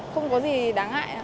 không có gì đáng ngại